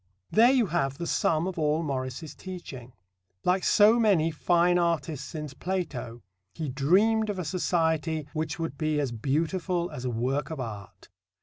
There you have the sum of all Morris's teaching. Like so many fine artists since Plato, he dreamed of a society which would be as beautiful as a work of art.